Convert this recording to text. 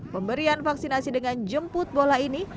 pemberian vaksinasi dengan jemput bola ini